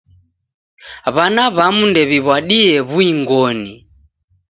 W'ana w'amu ndew'iw'adie w'uing'oni.